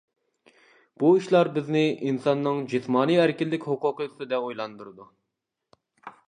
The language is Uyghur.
بۇ ئىشلار بىزنى ئىنساننىڭ جىسمانىي ئەركىنلىك ھوقۇقى ئۈستىدە ئويلاندۇرىدۇ.